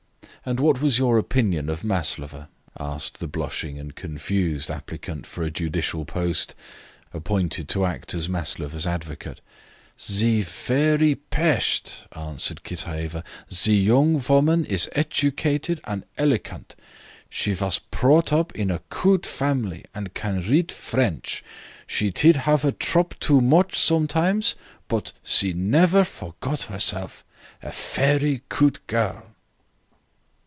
"And what was your opinion of Maslova?" asked the blushing and confused applicant for a judicial post, appointed to act as Maslova's advocate. "Zee ferry pesht," answered Kitaeva. "Zee yoong voman is etucated and elecant. She was prought up in a coot family and can reat French. She tid have a trop too moch sometimes, put nefer forcot herself. A ferry coot girl."